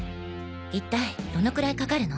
一体どのくらいかかるの？